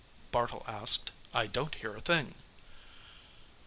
Bartle asked. "I don't hear a thing."